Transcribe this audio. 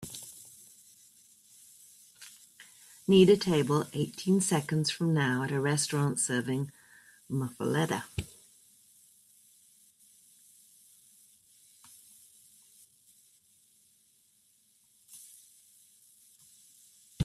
need a table eighteen seconds from now at a restaurant serving muffuletta